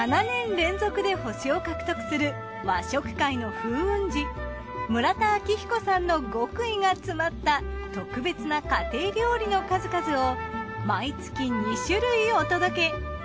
７年連続で星を獲得する和食界の風雲児村田明彦さんの極意が詰まった特別な家庭料理の数々を毎月２種類お届け。